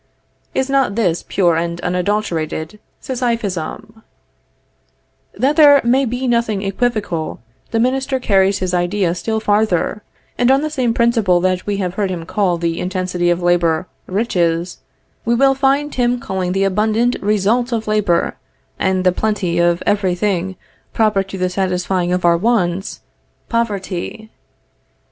Is not this pure and unadulterated Sisyphism? That there may be nothing equivocal, the minister carries his idea still farther, and on the same principle that we have heard him call the intensity of labor riches, we will find him calling the abundant results of labor, and the plenty of every thing proper to the satisfying of our wants, poverty.